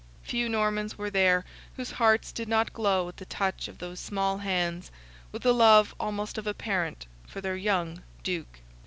Few Normans were there whose hearts did not glow at the touch of those small hands, with a love almost of a parent, for their young Duke.